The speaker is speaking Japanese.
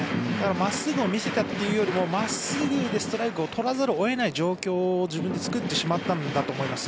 真っすぐを見せたというよりも真っすぐでストライクを取らざるを得ない状況を自分で作ってしまったんだと思います。